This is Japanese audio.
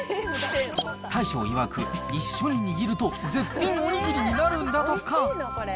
大将いわく、一緒に握ると、絶品おにぎりになるんだとか。